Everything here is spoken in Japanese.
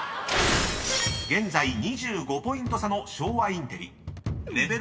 ［現在２５ポイント差の昭和インテリ。